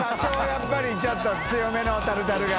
やっぱりちょっと強めのタルタルが。